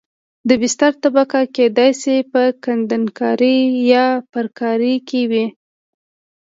د بستر طبقه کېدای شي په کندنکارۍ یا پرکارۍ کې وي